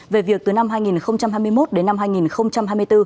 về việc từ năm hai nghìn hai mươi một đến năm hai nghìn hai mươi bốn